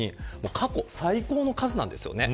過去最高の数なんです。